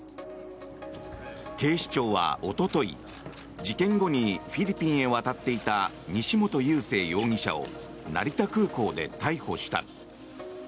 警視庁はおととい事件後にフィリピンへ渡っていた西本佑聖容疑者を成田空港で逮捕した。